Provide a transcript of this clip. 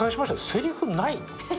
せりふない？